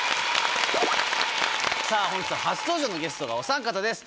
本日は初登場のゲストがおさん方です。